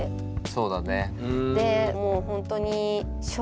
そうだね。